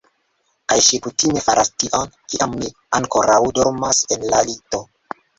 Kaj ŝi kutime faras tion, kiam mi ankoraŭ dormas en la lito.